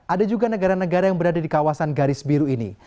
ada juga negara negara yang berada di kawasan garis biru ini